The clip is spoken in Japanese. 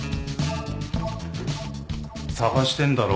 探してんだろ？